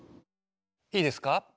いいですか？